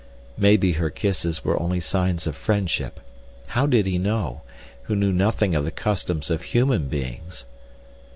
Maybe her kisses were only signs of friendship. How did he know, who knew nothing of the customs of human beings?